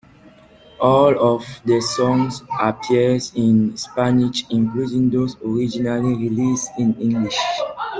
All of the songs appear in Spanish, including those originally released in English.